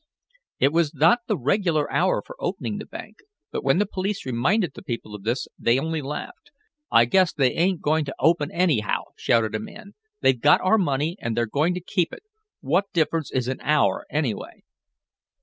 It was not the regular hour for opening the bank, but when the police reminded the people of this they only laughed. "I guess they ain't going to open anyhow!" shouted a man. "They've got our money, and they're going to keep it. What difference is an hour, anyway?"